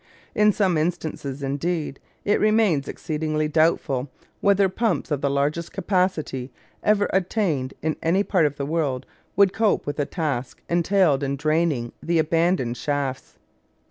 In some instances, indeed, it remains exceedingly doubtful whether pumps of the largest capacity ever attained in any part of the world would cope with the task entailed in draining the abandoned shafts.